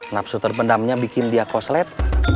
napsuter pendamnya bikin dia koslet